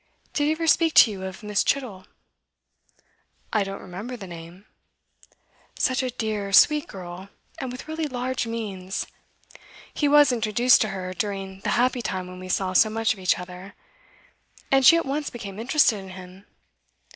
Did he ever speak to you of Miss. Chittle?' 'I don't remember the name.' 'Such a dear, sweet girl, and with really large means. He was introduced to her during the happy time when we saw so much of each other, and she at once became interested in him.